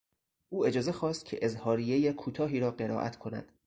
او اجازه خواست که اظهاریهی کوتاهی را قرائت کند.